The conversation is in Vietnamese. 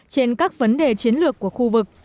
trên các vấn đề chiến lược của khu vực